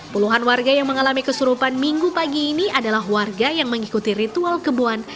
puluhan warga yang mengalami kesurupan minggu pagi ini adalah warga yang mengikuti ritual kebuan